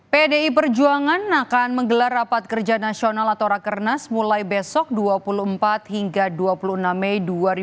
pdi perjuangan akan menggelar rapat kerja nasional atau rakernas mulai besok dua puluh empat hingga dua puluh enam mei dua ribu dua puluh